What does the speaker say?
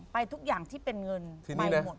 ไปทุกอย่างที่เป็นเงิน